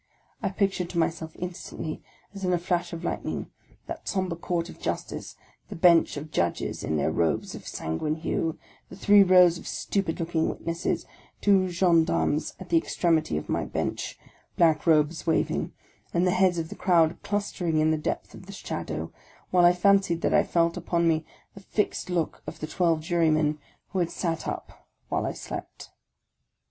I pic tured to myself instantly, as in a flash of lightning, thai: sombre Court of Justice, the Bench of Judges, in their robes of sanguine hue, the three rows of stupid looking witnesses, two gendarmes at the extremity of my bench; black robes waving, and the heads of the crowd clustering in the depth of the shadow, while I fancied that I felt upon me tho fixed look of the twelve jurymen, who had sat up while I slept.